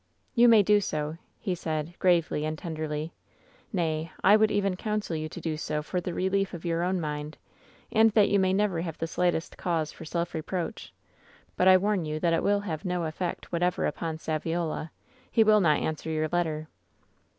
" 'You may do so,' he said, gravely and tenderly. 'Nay, I would even counsel you to do so for the relief of your own mind, and that you may never have the slightest cause for self reproach. But I warn you that it will have no effect whatever upon Saviola. He will not answer your letter.'